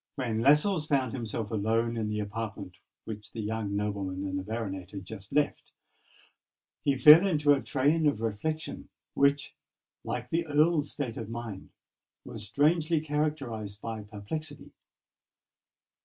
When Lascelles found himself alone in the apartment which the young nobleman and the baronet had just left, he fell into a train of reflection which, like the Earl's state of mind, was strangely characterised by perplexity.